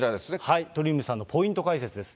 鳥海さんのポイント解説です。